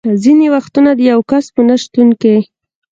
ځینې وختونه د یو کس په نه شتون کې.